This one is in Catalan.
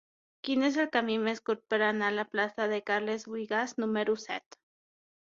Quin és el camí més curt per anar a la plaça de Carles Buïgas número set?